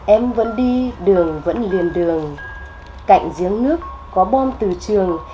em vẫn đi đường vẫn liền đường cạnh giếng nước có bom từ trường